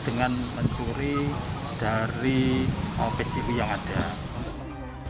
yang akan mencuri dari objektif yang ada